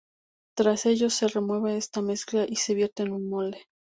Tras ello se remueve esta mezcla y se vierte en un molde.